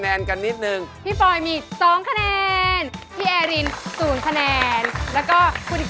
สวัสดีครับ